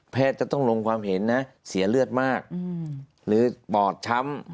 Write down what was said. จะต้องลงความเห็นนะเสียเลือดมากหรือปอดช้ำ